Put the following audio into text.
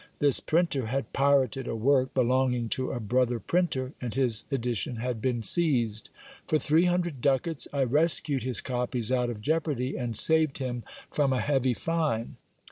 This printer had pirated a work belonging to a brother printer, and his edition had been seized. For three hundred ducats I rescued his copies out of jeopardy, and saved him from a heavy fine.